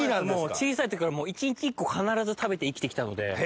小さい時から一日１個必ず食べて生きて来たので。